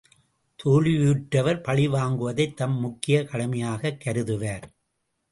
தோல்வியுற்றவர் பழி வாங்குதைத் தம் முக்கிய கடமையாகக் கருதுவார்.